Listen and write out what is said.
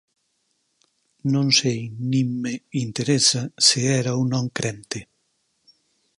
Non sei nin me interesa se era ou non crente.